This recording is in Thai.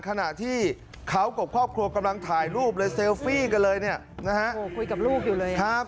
ขณะที่เขากับครอบครัวกำลังถ่ายฟิกันเลยคุยกับลูกอยู่เลย